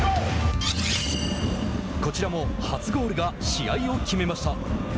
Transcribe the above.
こちらも初ゴールが試合を決めました。